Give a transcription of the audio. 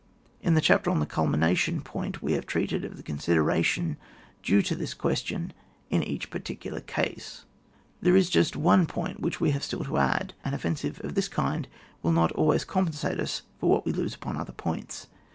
In the chapter on the culmination point we have treated of the consideration due to this question in each particular case. There is just one point which we have still to add. An offensive of this kind will not always compensate us for what we lose upon other points.